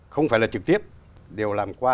không phải là trực tiếp đều làm qua